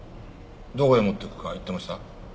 どこへ持っていくか言ってました？